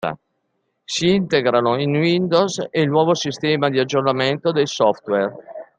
Si integrano in Windows e il nuovo sistema di aggiornamento dei software.